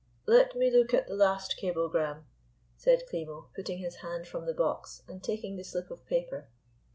"Let me look at the last cablegram," said Klimo, putting his hand from the box, and taking the slip of paper.